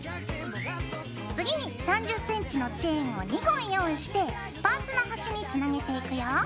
次に３０ｃｍのチェーンを２本用意してパーツの端につなげていくよ。